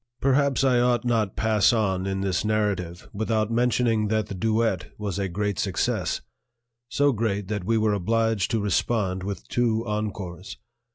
III Perhaps I ought not pass on in this narrative without mentioning that the duet was a great success, so great that we were obliged to respond with two encores.